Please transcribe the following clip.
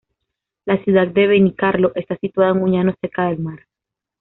La ciudad de Benicarló está situada en un llano cerca del mar.